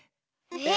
え？